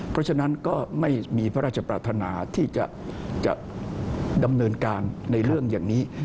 เพราะฉะนั้นก็ไม่มีพระราชปรารถนาที่จะดำเนินการในเรื่องอย่างนี้